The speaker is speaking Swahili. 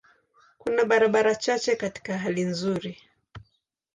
Kuna barabara chache katika hali nzuri.